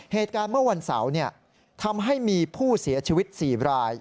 เหตุการณ์เมื่อวันเสาร์ทำให้มีผู้เสียชีวิต๔ราย